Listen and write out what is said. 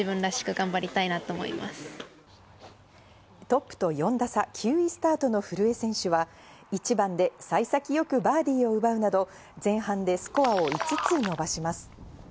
トップと４打差、９位スタートの古江選手は１番で幸先良くバーディを奪うなど前半でスコアを５つ伸ばします。